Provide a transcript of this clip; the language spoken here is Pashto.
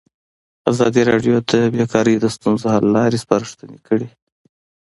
ازادي راډیو د بیکاري د ستونزو حل لارې سپارښتنې کړي.